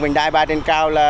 vành đai ba trên cao